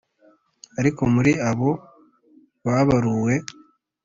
Ariko muri abo babaruwe